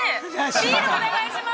ビールお願いします。